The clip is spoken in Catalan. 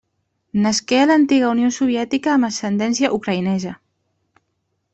Nasqué a l'antiga Unió Soviètica amb ascendència ucraïnesa.